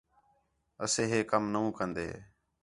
اَسے ہے کم نَو کن٘دے